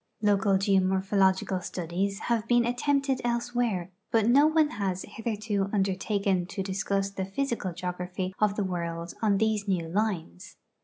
Local geomorphological studies have been attempted elsewhere, but no one has hitheido undertaken to discuss the physical geography of the world on these new lines.